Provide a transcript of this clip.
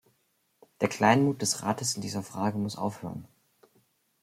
Der Kleinmut des Rates in dieser Frage muss aufhören!